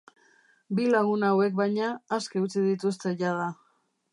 Bi lagun hauek, baina, aske utzi dituzte jada.